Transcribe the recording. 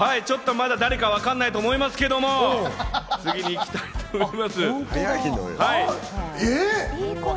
まだ誰かわからないと思いますけれども、まいりたいと思います。